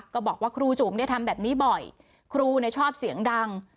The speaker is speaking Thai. ก็บอกว่าครูจุ๋มทำแบบนี้บ่อยครูชอบเสียงดัง